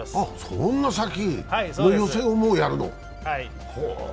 そんな先、予選をもうやるの。